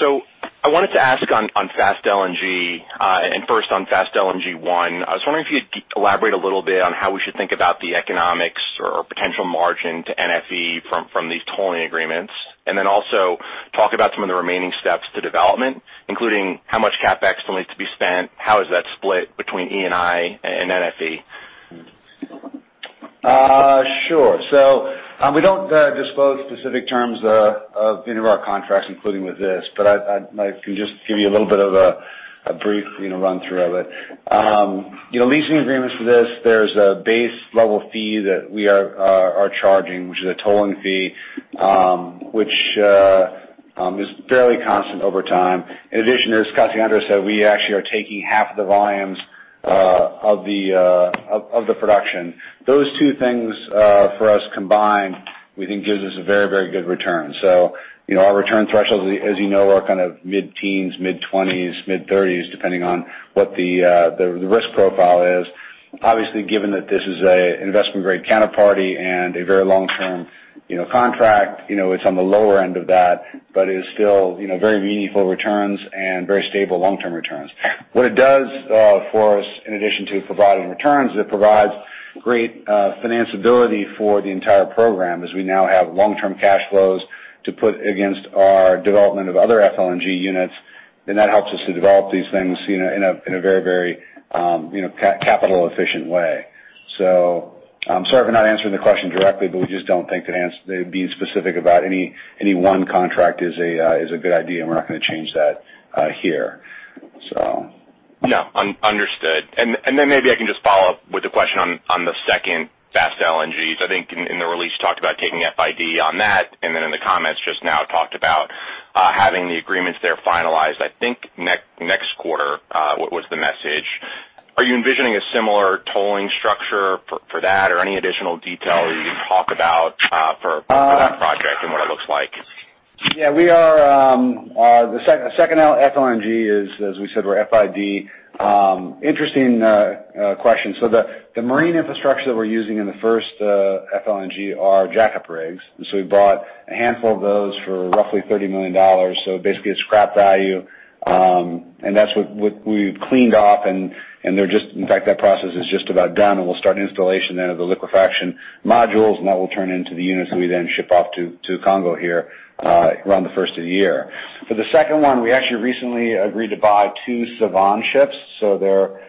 So I wanted to ask on Fast LNG, and first on Fast LNG one, I was wondering if you could elaborate a little bit on how we should think about the economics or potential margin to NFE from these tolling agreements. And then also talk about some of the remaining steps to development, including how much CapEx needs to be spent, how is that split between Eni and NFE? Sure. So we don't disclose specific terms of any of our contracts, including with this, but I can just give you a little bit of a brief run-through of it. Leasing agreements for this, there's a base level fee that we are charging, which is a tolling fee, which is fairly constant over time. In addition, as Cassandra said, we actually are taking half of the volumes of the production. Those two things for us combined, we think, gives us a very, very good return. So our return thresholds, as you know, are kind of mid-teens, mid-20s, mid-30s, depending on what the risk profile is. Obviously, given that this is an investment-grade counterparty and a very long-term contract, it's on the lower end of that, but it is still very meaningful returns and very stable long-term returns. What it does for us, in addition to providing returns, it provides great financeability for the entire program as we now have long-term cash flows to put against our development of other FLNG units. And that helps us to develop these things in a very, very capital-efficient way. So I'm sorry if I'm not answering the question directly, but we just don't think that being specific about any one contract is a good idea. We're not going to change that here, so. Yeah, understood. And then maybe I can just follow up with a question on the second Fast LNG. I think in the release, you talked about taking FID on that. And then in the comments, just now talked about having the agreements there finalized, I think next quarter was the message. Are you envisioning a similar tolling structure for that or any additional detail you can talk about for that project and what it looks like? Yeah, the second FLNG is, as we said, we're FID. Interesting question. So the marine infrastructure that we're using in the first FLNG are jack-up rigs. And so we bought a handful of those for roughly $30 million. So basically, it's scrap value. And that's what we've cleaned off. And in fact, that process is just about done. And we'll start installation then of the liquefaction modules, and that will turn into the units that we then ship off to Congo here around the first of the year. For the second one, we actually recently agreed to buy two Sevan ships. So they're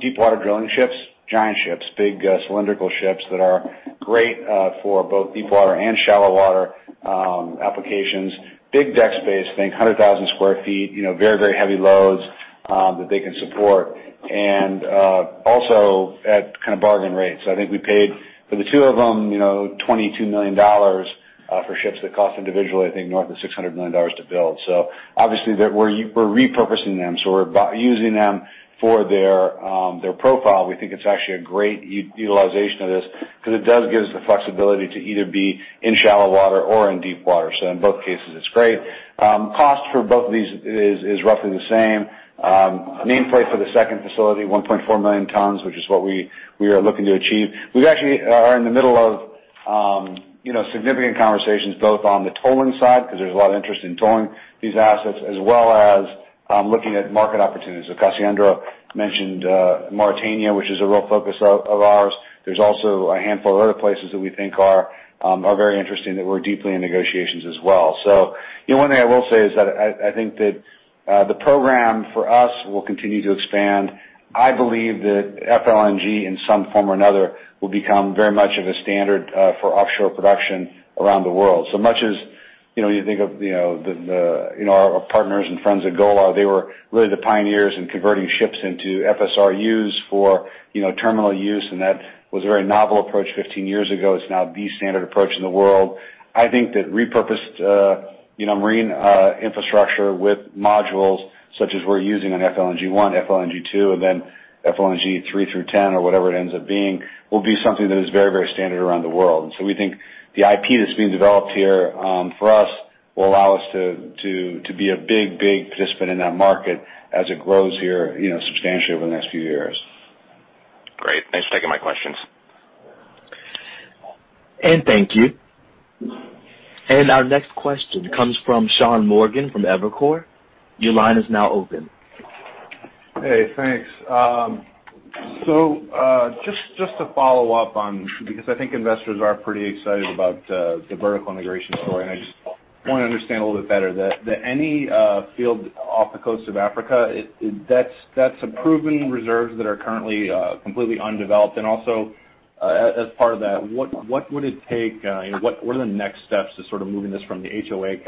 deep-water drilling ships, giant ships, big cylindrical ships that are great for both deep water and shallow water applications. Big deck space, I think, 100,000 sq ft, very, very heavy loads that they can support. And also at kind of bargain rates. I think we paid for the two of them $22 million for ships that cost individually, I think, north of $600 million to build. So obviously, we're repurposing them. So we're using them for their profile. We think it's actually a great utilization of this because it does give us the flexibility to either be in shallow water or in deep water. So in both cases, it's great. Cost for both of these is roughly the same. Nameplate for the second facility, 1.4 million tons, which is what we are looking to achieve. We actually are in the middle of significant conversations both on the tolling side because there's a lot of interest in tolling these assets, as well as looking at market opportunities. So Cassandra mentioned Mauritania, which is a real focus of ours. There's also a handful of other places that we think are very interesting that we're deeply in negotiations as well. So one thing I will say is that I think that the program for us will continue to expand. I believe that FLNG, in some form or another, will become very much of a standard for offshore production around the world. So, much as you think of our partners and friends at Golar, they were really the pioneers in converting ships into FSRUs for terminal use. And that was a very novel approach 15 years ago. It's now the standard approach in the world. I think that repurposed marine infrastructure with modules such as we're using on FLNG 1, FLNG 2, and then FLNG 3 through 10 or whatever it ends up being will be something that is very, very standard around the world. We think the IP that's being developed here for us will allow us to be a big, big participant in that market as it grows here substantially over the next few years. Great. Thanks for taking my questions. Thank you. Our next question comes from Sean Morgan from Evercore. Your line is now open. Hey, thanks. So just to follow up on, because I think investors are pretty excited about the vertical integration story, and I just want to understand a little bit better, that any field off the coast of Africa, that's a proven reserve that are currently completely undeveloped. And also, as part of that, what would it take? What are the next steps to sort of moving this from the HOA,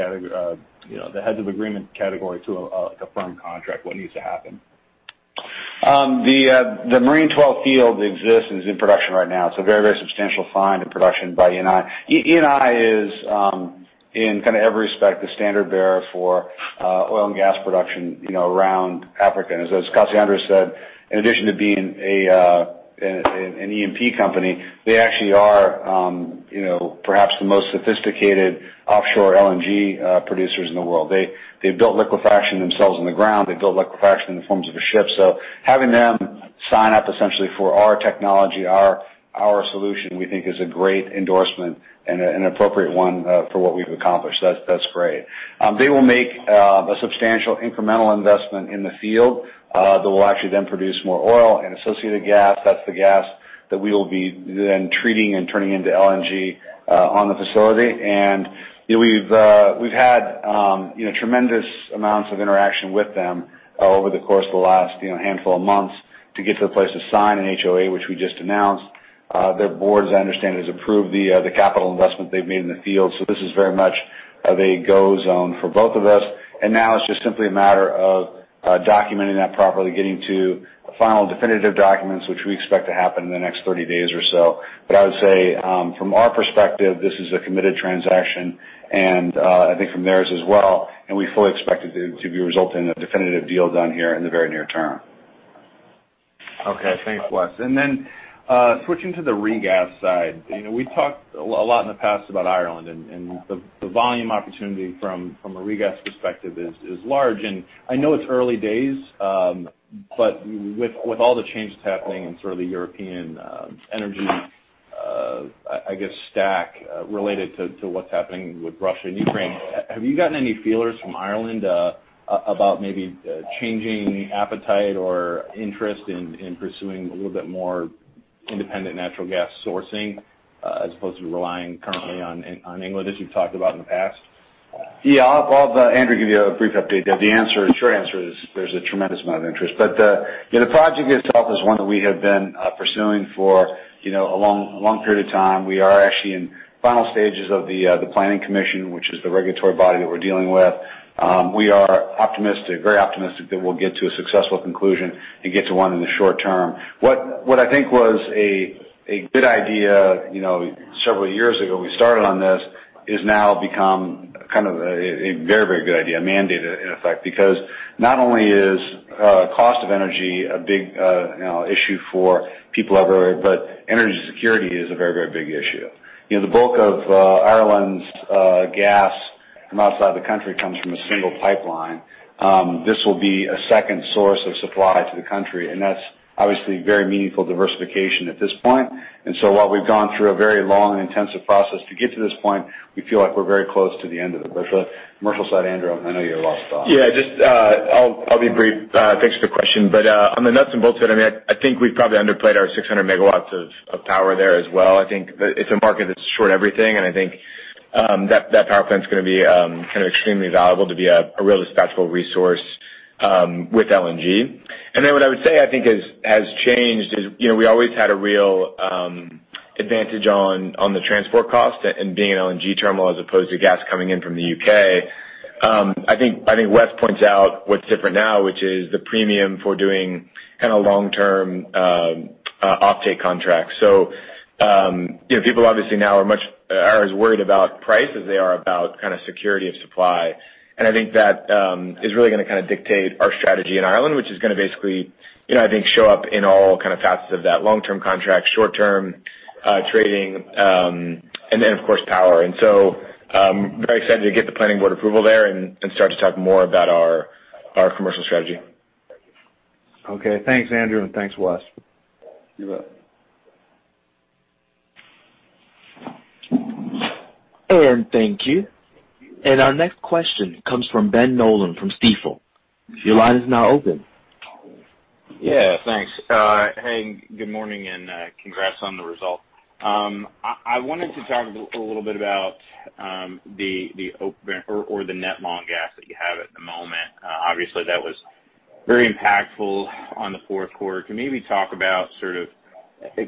the heads of agreement category, to a firm contract? What needs to happen? The Marine XII field exists and is in production right now. It's a very, very substantial find in production by Eni. Eni is, in kind of every respect, the standard bearer for oil and gas production around Africa. And as Cassandra said, in addition to being an E&P company, they actually are perhaps the most sophisticated offshore LNG producers in the world. They've built liquefaction themselves on the ground. They've built liquefaction in the forms of a ship. So having them sign up essentially for our technology, our solution, we think is a great endorsement and an appropriate one for what we've accomplished. That's great. They will make a substantial incremental investment in the field that will actually then produce more oil and associated gas. That's the gas that we will be then treating and turning into LNG on the facility. We've had tremendous amounts of interaction with them over the course of the last handful of months to get to the place to sign an HOA, which we just announced. Their board, as I understand it, has approved the capital investment they've made in the field. This is very much a go zone for both of us. Now it's just simply a matter of documenting that properly, getting to final definitive documents, which we expect to happen in the next 30 days or so. I would say, from our perspective, this is a committed transaction. I think from theirs as well. We fully expect it to be resulting in a definitive deal done here in the very near term. Okay. Thanks, Wes. And then switching to the re-gas side, we talked a lot in the past about Ireland. And the volume opportunity from a re-gas perspective is large. And I know it's early days, but with all the changes happening in sort of the European energy, I guess, stack related to what's happening with Russia and Ukraine, have you gotten any feelers from Ireland about maybe changing appetite or interest in pursuing a little bit more independent natural gas sourcing as opposed to relying currently on England, as you've talked about in the past? Yeah. I'll let Andrew give you a brief update. The short answer is there's a tremendous amount of interest. But the project itself is one that we have been pursuing for a long period of time. We are actually in final stages of the planning commission, which is the regulatory body that we're dealing with. We are optimistic, very optimistic that we'll get to a successful conclusion and get to one in the short term. What I think was a good idea several years ago, we started on this, is now become kind of a very, very good idea, mandated in effect, because not only is cost of energy a big issue for people everywhere, but energy security is a very, very big issue. The bulk of Ireland's gas from outside the country comes from a single pipeline. This will be a second source of supply to the country. And that's obviously very meaningful diversification at this point. And so while we've gone through a very long and intensive process to get to this point, we feel like we're very close to the end of it. But for the commercial side, Andrew, I know you lost the thought. Yeah. Just, I'll be brief. Thanks for the question. But on the nuts and bolts of it, I mean, I think we've probably underplayed our 600 MW of power there as well. I think it's a market that's short everything. And I think that power plant's going to be kind of extremely valuable to be a real dispatchable resource with LNG. And then what I would say I think has changed is we always had a real advantage on the transport cost and being an LNG terminal as opposed to gas coming in from the U.K. I think Wes points out what's different now, which is the premium for doing kind of long-term offtake contracts. So people obviously now are as worried about price as they are about kind of security of supply. I think that is really going to kind of dictate our strategy in Ireland, which is going to basically, I think, show up in all kind of facets of that long-term contract, short-term trading, and then, of course, power. I'm very excited to get the planning board approval there and start to talk more about our commercial strategy. Okay. Thanks, Andrew, and thanks, Wes. You bet. And thank you. Our next question comes from Ben Nolan from Stifel. Your line is now open. Yeah, thanks. Hey, good morning and congrats on the result. I wanted to talk a little bit about the net long gas that you have at the moment. Obviously, that was very impactful on the fourth quarter. Can we maybe talk about sort of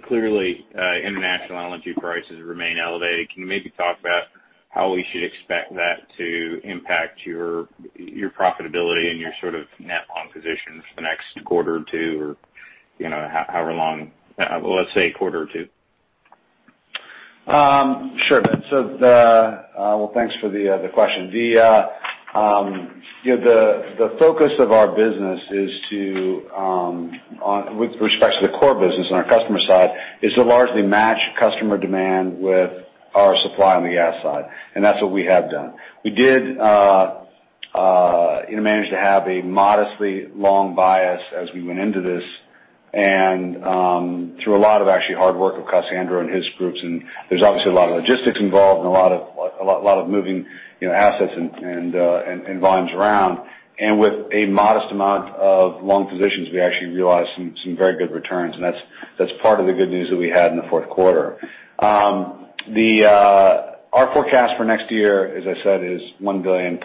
clearly international energy prices remain elevated? Can you maybe talk about how we should expect that to impact your profitability and your sort of net long position for the next quarter or two or however long, let's say a quarter or two? Sure, Ben. So, well, thanks for the question. The focus of our business is to, with respect to the core business on our customer side, is to largely match customer demand with our supply on the gas side, and that's what we have done. We did manage to have a modestly long bias as we went into this and through a lot of actually hard work of Cassandra and his groups, and there's obviously a lot of logistics involved and a lot of moving assets and volumes around. And with a modest amount of long positions, we actually realized some very good returns, and that's part of the good news that we had in the fourth quarter. Our forecast for next year, as I said, is $1 billion+,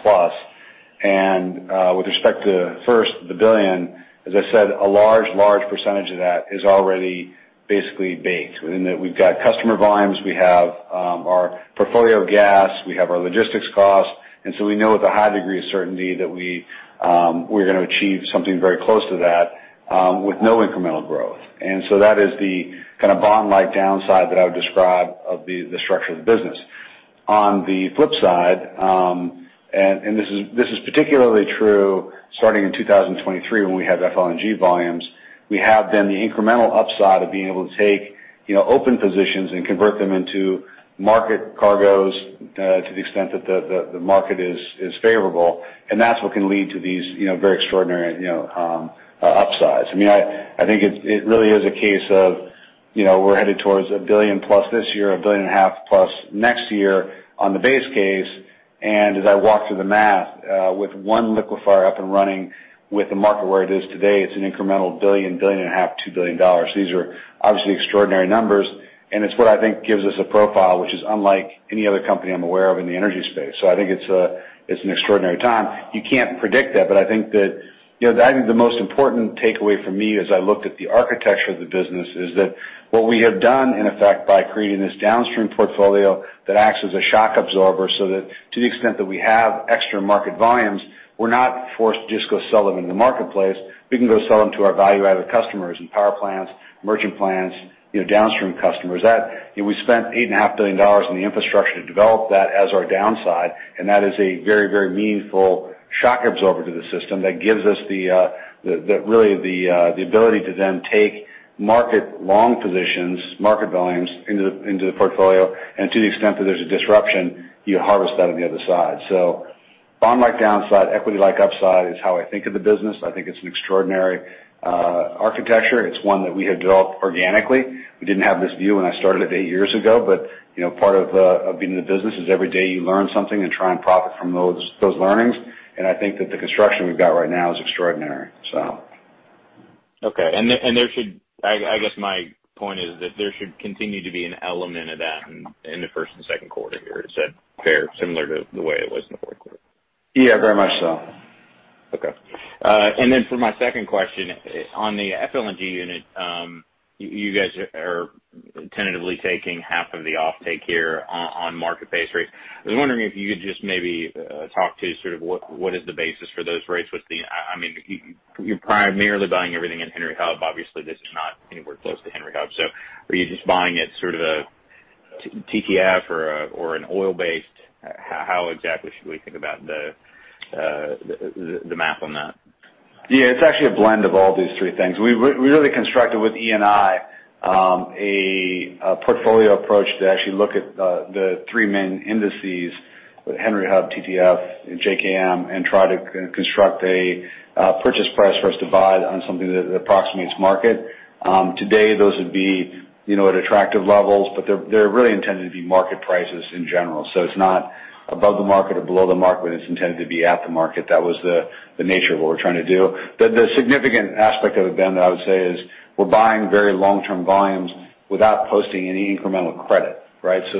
and with respect to first, the billion, as I said, a large, large percentage of that is already basically baked. We've got customer volumes. We have our portfolio of gas. We have our logistics costs. And so we know with a high degree of certainty that we're going to achieve something very close to that with no incremental growth. And so that is the kind of bond-like downside that I would describe of the structure of the business. On the flip side, and this is particularly true starting in 2023 when we have FLNG volumes, we have then the incremental upside of being able to take open positions and convert them into market cargoes to the extent that the market is favorable. And that's what can lead to these very extraordinary upsides. I mean, I think it really is a case of we're headed towards $1 billion+ this year, $1.5 billion+ next year on the base case. As I walk through the math, with one liquefier up and running with the market where it is today, it's an incremental $1 billion, $1.5 billion, $2 billion. These are obviously extraordinary numbers. It's what I think gives us a profile, which is unlike any other company I'm aware of in the energy space. I think it's an extraordinary time. You can't predict that. I think that the most important takeaway for me as I looked at the architecture of the business is that what we have done in effect by creating this downstream portfolio that acts as a shock absorber so that to the extent that we have extra market volumes, we're not forced to just go sell them into the marketplace. We can go sell them to our value-added customers and power plants, merchant plants, downstream customers. We spent $8.5 billion in the infrastructure to develop that as our downside. And that is a very, very meaningful shock absorber to the system that gives us really the ability to then take market long positions, market volumes into the portfolio. And to the extent that there's a disruption, you harvest that on the other side. So bond-like downside, equity-like upside is how I think of the business. I think it's an extraordinary architecture. It's one that we have developed organically. We didn't have this view when I started it eight years ago. But part of being in the business is every day you learn something and try and profit from those learnings. And I think that the construction we've got right now is extraordinary, so. Okay. And I guess my point is that there should continue to be an element of that in the first and second quarter here. Is that fair, similar to the way it was in the fourth quarter? Yeah, very much so. Okay. And then for my second question, on the FLNG unit, you guys are tentatively taking half of the offtake here on market-based rates. I was wondering if you could just maybe talk to sort of what is the basis for those rates? I mean, you're primarily buying everything in Henry Hub. Obviously, this is not anywhere close to Henry Hub. So are you just buying it sort of a TTF or an oil-based? How exactly should we think about the math on that? Yeah. It's actually a blend of all these three things. We really constructed with Eni a portfolio approach to actually look at the three main indices: Henry Hub, TTF, and JKM, and try to construct a purchase price for us to buy on something that approximates market. Today, those would be at attractive levels, but they're really intended to be market prices in general. So it's not above the market or below the market, but it's intended to be at the market. That was the nature of what we're trying to do. The significant aspect of it, Ben, that I would say is we're buying very long-term volumes without posting any incremental credit, right? So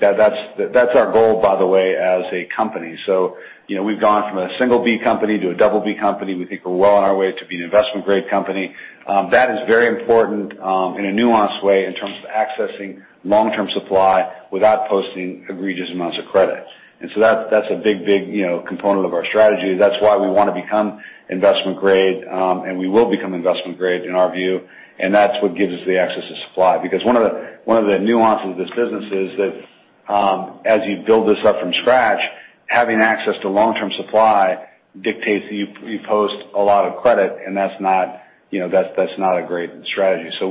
that's our goal, by the way, as a company. So we've gone from a single B company to a double B company. We think we're well on our way to being an investment-grade company. That is very important in a nuanced way in terms of accessing long-term supply without posting egregious amounts of credit. And so that's a big, big component of our strategy. That's why we want to become investment-grade, and we will become investment-grade in our view. And that's what gives us the access to supply. Because one of the nuances of this business is that as you build this up from scratch, having access to long-term supply dictates that you post a lot of credit. And that's not a great strategy. So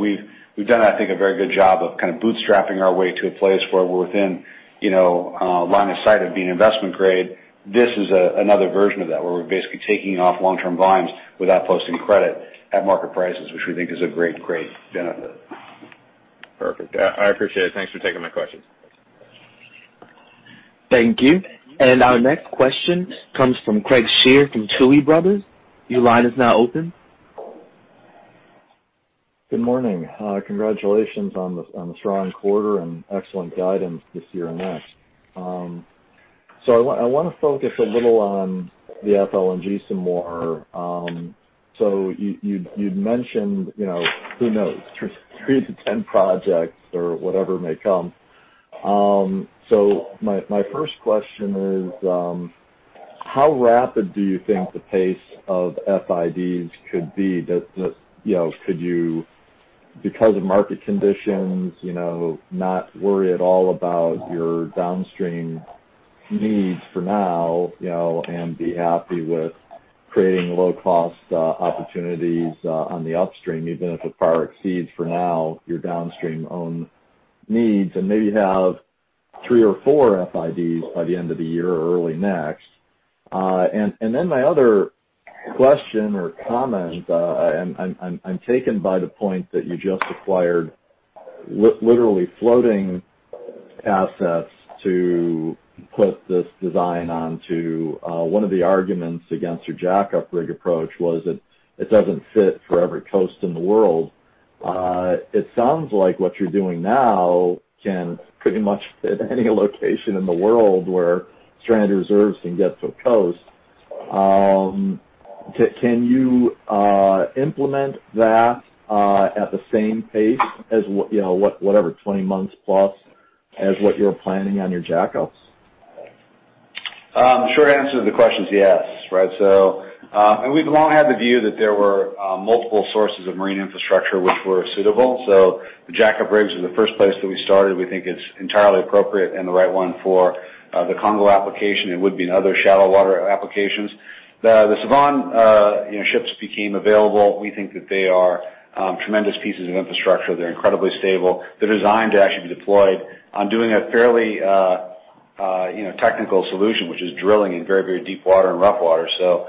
we've done, I think, a very good job of kind of bootstrapping our way to a place where we're within line of sight of being investment-grade. This is another version of that where we're basically taking off long-term volumes without posting credit at market prices, which we think is a great, great benefit. Perfect. I appreciate it. Thanks for taking my questions. Thank you. And our next question comes from Craig Shere from Tuohy Brothers. Your line is now open. Good morning. Congratulations on the strong quarter and excellent guidance this year and next. So I want to focus a little on the FLNG some more. So you'd mentioned who knows, three to 10 projects or whatever may come. So my first question is, how rapid do you think the pace of FIDs could be? Could you, because of market conditions, not worry at all about your downstream needs for now and be happy with creating low-cost opportunities on the upstream, even if it far exceeds for now your downstream own needs and maybe have three or four FIDs by the end of the year or early next? And then my other question or comment, and I'm taken by the point that you just acquired literally floating assets to put this design onto. One of the arguments against your jack-up rig approach was that it doesn't fit for every coast in the world. It sounds like what you're doing now can pretty much fit any location in the world where stranded reserves can get to a coast. Can you implement that at the same pace as whatever, 20 months plus as what you're planning on your jack-ups? Short answer to the question is yes, right? And we've long had the view that there were multiple sources of marine infrastructure which were suitable. So the jack-up rigs are the first place that we started. We think it's entirely appropriate and the right one for the Congo application. It would be in other shallow water applications. The Sevan ships became available. We think that they are tremendous pieces of infrastructure. They're incredibly stable. They're designed to actually be deployed on doing a fairly technical solution, which is drilling in very, very deep water and rough water. So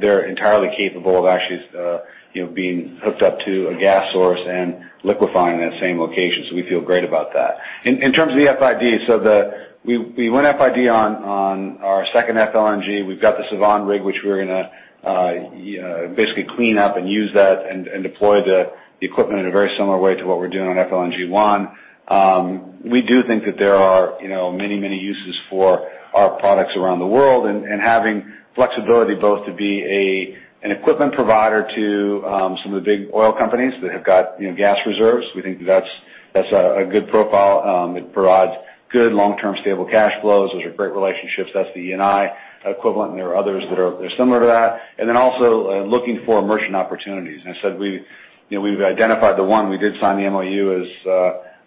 they're entirely capable of actually being hooked up to a gas source and liquefying in that same location. So we feel great about that. In terms of the FID, so we went FID on our second FLNG. We've got the Sevan rig, which we're going to basically clean up and use that and deploy the equipment in a very similar way to what we're doing on FLNG 1. We do think that there are many, many uses for our products around the world and having flexibility both to be an equipment provider to some of the big oil companies that have got gas reserves. We think that that's a good profile. It provides good long-term stable cash flows. Those are great relationships. That's the Eni equivalent, and there are others that are similar to that, and then also looking for merchant opportunities. I said we've identified the one. We did sign the MOU,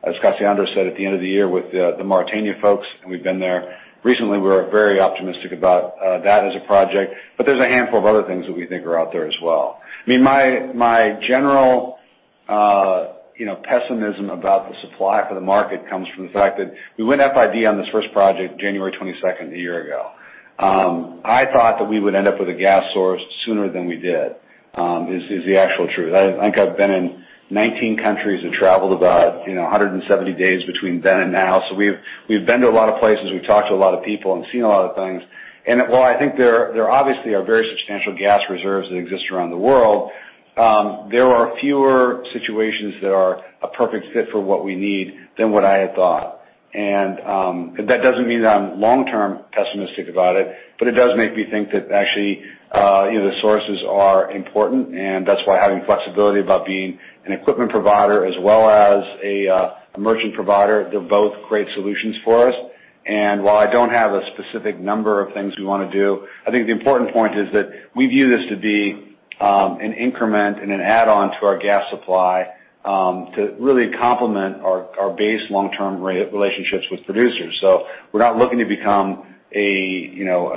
as Cassandra said, at the end of the year with the Mauritania folks, and we've been there recently. We're very optimistic about that as a project. But there's a handful of other things that we think are out there as well. I mean, my general pessimism about the supply for the market comes from the fact that we went FID on this first project January 22nd a year ago. I thought that we would end up with a gas source sooner than we did is the actual truth. I think I've been in 19 countries and traveled about 170 days between then and now. So we've been to a lot of places. We've talked to a lot of people and seen a lot of things. And while I think there obviously are very substantial gas reserves that exist around the world, there are fewer situations that are a perfect fit for what we need than what I had thought. And that doesn't mean that I'm long-term pessimistic about it, but it does make me think that actually the sources are important. And that's why having flexibility about being an equipment provider as well as a merchant provider, they're both great solutions for us. And while I don't have a specific number of things we want to do, I think the important point is that we view this to be an increment and an add-on to our gas supply to really complement our base long-term relationships with producers. So we're not looking to become a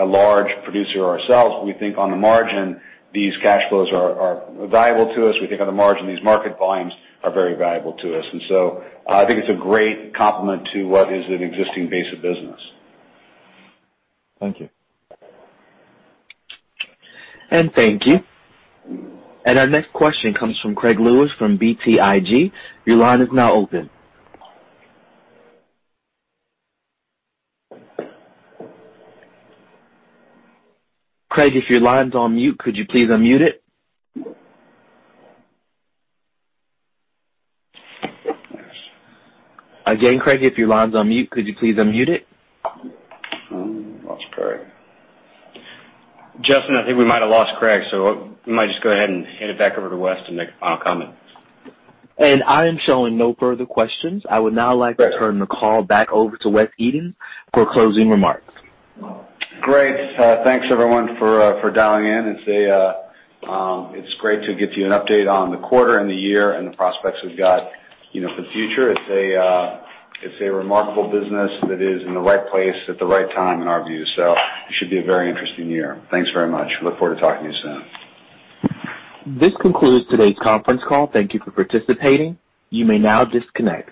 large producer ourselves. We think on the margin, these cash flows are valuable to us. We think on the margin, these market volumes are very valuable to us. And so I think it's a great complement to what is an existing base of business. Thank you. And thank you. Our next question comes from Greg Lewis from BTIG. Your line is now open. Craig, if your line's on mute, could you please unmute it? Again, Craig, if your line's on mute, could you please unmute it? Lost Greg. Justin, I think we might have lost Greg. So we might just go ahead and hand it back over to Wes to make a final comment. I am showing no further questions. I would now like to turn the call back over to Wes Edens for closing remarks. Great. Thanks, everyone, for dialing in. It's great to get you an update on the quarter and the year and the prospects we've got for the future. It's a remarkable business that is in the right place at the right time in our view. So it should be a very interesting year. Thanks very much. Look forward to talking to you soon. This concludes today's conference call. Thank you for participating. You may now disconnect.